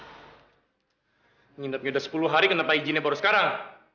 mengindapnya sudah sepuluh hari kenapa izinnya baru sekarang